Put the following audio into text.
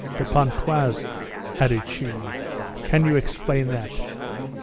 'De Pontoise,' added she, 'can you explain that?'